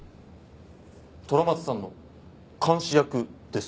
虎松さんの監視役？です。